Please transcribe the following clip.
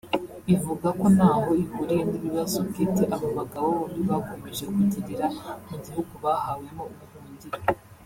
ivuga ko ntaho ihuriye n’ibibazo bwite aba bagabo bombi bakomeje kugirira mu gihugu bahawemo ubuhungiro